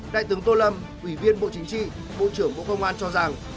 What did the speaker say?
đại tướng tô lâm ủy viên bộ chính trị bộ trưởng bộ công an cho rằng